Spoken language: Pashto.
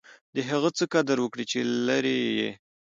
د هغه څه قدر وکړئ، چي لرى يې.